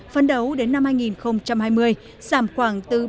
phần đầu đến năm hai nghìn hai mươi giảm khoảng từ ba mươi đến năm mươi